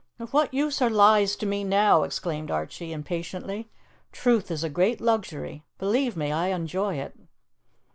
"Of what use are lies to me now?" exclaimed Archie impatiently. "Truth is a great luxury; believe me, I enjoy it."